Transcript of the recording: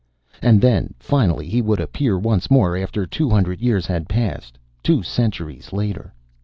And then, finally, he would appear once more, after two hundred years had passed. Two centuries later.